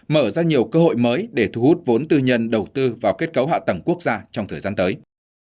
mở ra nhiều cơ hội mới để thu hút vốn tư nhân đầu tư vào kết cấu hạ tầng quốc gia trong thời gian tới